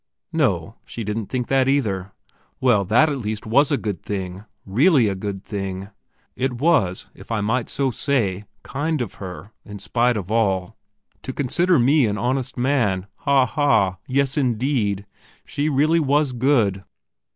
No; she didn't think that either. Well, that at least was a good thing really a good thing. It was, if I might so say, kind of her, in spite of all, to consider me an honest man. Ha, ha! yes indeed, she really was good!